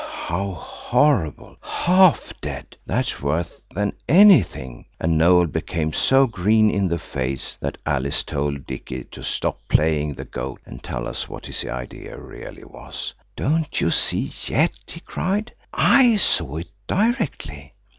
"How horrible! Half dead. That's worse than anything," and Noël became so green in the face that Alice told Dicky to stop playing the goat, and tell us what his idea really was. "Don't you see yet?" he cried; "I saw it directly."